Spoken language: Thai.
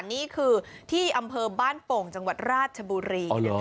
นี่คือที่อำเภอบ้านโป่งจังหวัดราชบุรี